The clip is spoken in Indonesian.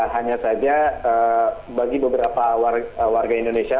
hanya saja bagi beberapa warga indonesia pelajar indonesia